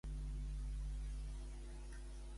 Com li diuen a Joan Montañés?